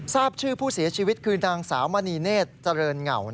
ทราบชื่อผู้เสียชีวิตคือนางสาวมณีเนธเจริญเหงา